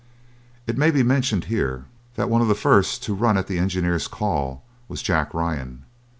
It may be mentioned here, that one of the first to run at the engineer's call was Jack Ryan.